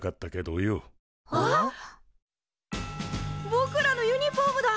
ぼくらのユニフォームだ！